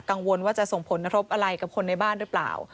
กังวลว่าจะส่งผลกระทบอะไรกับคนในบ้านหรือเปล่า